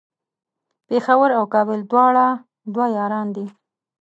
پیښور او کابل دواړه دوه یاران دی